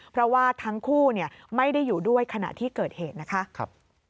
เพราะว่าทั้งคู่ไม่ได้อยู่ด้วยขณะที่เกิดเหตุนะคะ